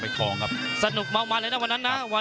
พี่น้องอ่ะพี่น้องอ่ะพี่น้องอ่ะ